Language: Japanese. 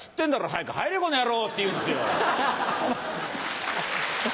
早く入れこの野郎！」って言うんですよ。